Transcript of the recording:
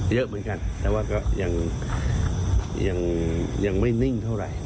เยอะเหมือนกันแต่ว่าก็ยังไม่นิ่งเท่าไหร่